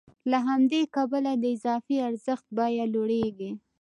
له همدې کبله د اضافي ارزښت بیه لوړېږي